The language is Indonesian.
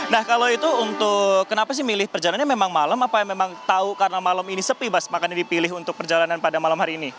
nah kalau itu untuk kenapa sih milih perjalanannya memang malam apa yang memang tahu karena malam ini sepi makannya dipilih untuk perjalanan pada malam hari ini